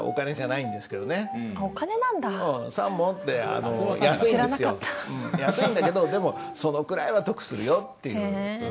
安いんだけどでもそのくらいは得するよっていう。